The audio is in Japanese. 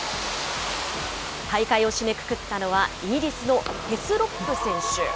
大会を締めくくったのはイギリスのヘスロップ選手。